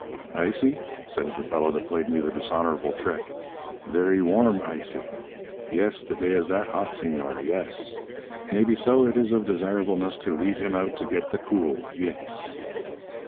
"'Ice y?' says the fellow that played me the dishonourable trick; 'verree warm ice y. Yes. The day is that hot, señor. Yes. Maybeso it is of desirableness to leave him out to get the cool. Yes.'